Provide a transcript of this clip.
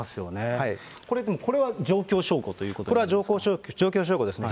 これは状況証拠ということなんですか？